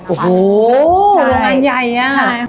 โอ้โหนะคะหน่อยอะใช่